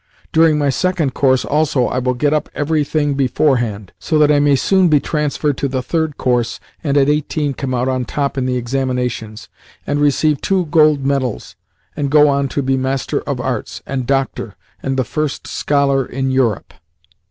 During my second course also I will get up everything beforehand, so that I may soon be transferred to the third course, and at eighteen come out top in the examinations, and receive two gold medals, and go on to be Master of Arts, and Doctor, and the first scholar in Europe.